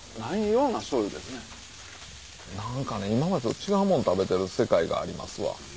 何か今までと違うもん食べてる世界がありますわ。